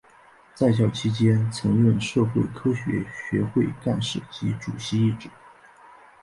在校期间曾任社会科学学会干事及主席一职。